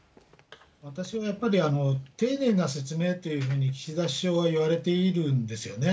私はやっぱり、丁寧な説明というふうに岸田首相は言われているんですよね。